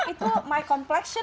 itu kompleks saya